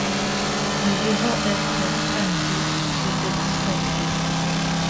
Nous devons être flattées de cette distinction.